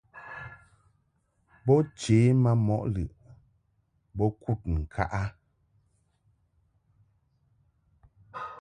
Bo che ma mɔʼ lɨʼ bo kud ŋka a.